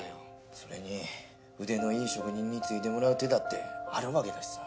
それに腕のいい職人に継いでもらう手だってあるわけだしさ。